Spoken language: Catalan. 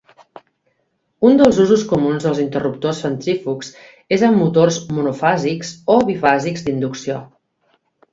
Un dels usos comuns dels interruptors centrífugs és amb motors monofàsics o bifàsics d'inducció.